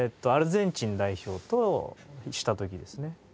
アルゼンチン代表とした時ですね。